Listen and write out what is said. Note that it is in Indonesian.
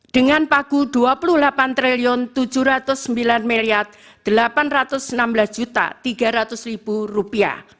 dengan paku rp dua puluh delapan tujuh ratus sembilan delapan ratus enam belas tiga ratus